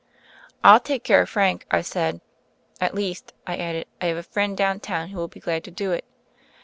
"I'll take care of Frank," I said. "At least," I added, "I have a friend down town who will be glad to do it."